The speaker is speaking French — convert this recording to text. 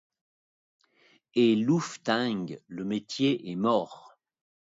es louftingue, le métier est mort.